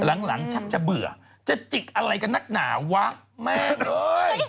หลังชักจะเบื่อจะจิกอะไรกับนักหนาวะแม่เอ้ย